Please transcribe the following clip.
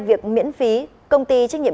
việc miễn phí công ty trách nhiệm